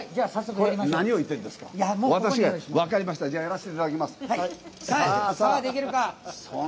やらせていただきます。